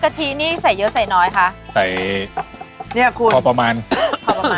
ทีนี่ใส่เยอะใส่น้อยคะใส่เนี้ยคุณพอประมาณพอประมาณ